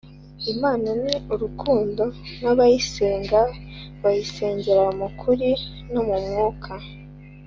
imana ni urukundo na bayisenga bayisengera mukuri no mu mwuka